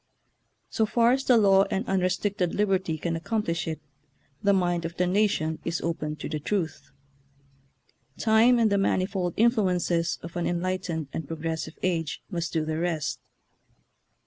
So far as the law and un restricted liberty can accomplish it, the mind of the nation is open to the truth. Time and the manifold influences of an enlightened and progressive age must do the rest.